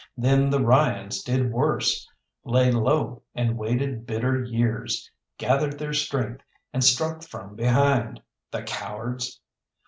Then the Ryans did worse: lay low and waited bitter years, gathered their strength, and struck from behind the cowards!